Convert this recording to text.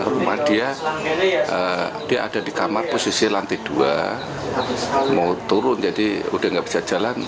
rumah dia dia ada di kamar posisi lantai dua mau turun jadi udah nggak bisa jalan